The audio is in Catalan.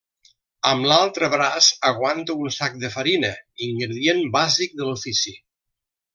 Amb l’altre braç aguanta un sac de farina, ingredient bàsic de l’ofici.